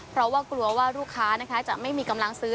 เพราะว่ากลัวว่าลูกค้าจะไม่มีกำลังซื้อ